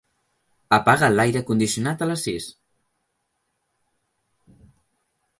Apaga l'aire condicionat a les sis.